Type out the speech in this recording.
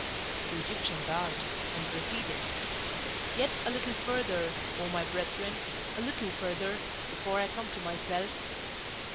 The Egyptian bowed, and proceeded: "Yet a little further, O my brethren, a little further, before I come to myself.